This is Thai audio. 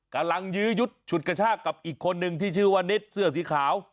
ยื้อยุดฉุดกระชากกับอีกคนนึงที่ชื่อว่านิดเสื้อสีขาว